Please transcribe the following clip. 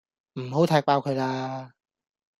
唔好踢爆佢喇